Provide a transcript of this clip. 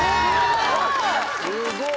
すごい！